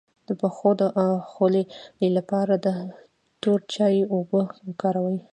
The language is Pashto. د پښو د خولې لپاره د تور چای اوبه وکاروئ